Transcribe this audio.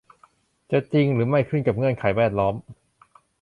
จะจริงหรือไม่ขึ้นกับเงื่อนไขแวดล้อม